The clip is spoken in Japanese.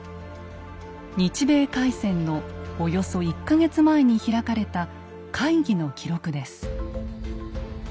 日米開戦のおよそ１か月前に開かれた会議の記録です。